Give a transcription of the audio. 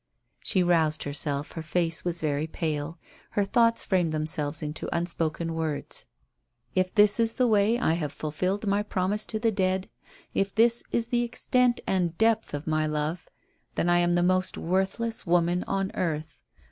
She roused herself; her face was very pale. Her thoughts framed themselves into unspoken words. "If this is the way I have fulfilled my promise to the dead, if this is the extent and depth of my love, then I am the most worthless woman on earth.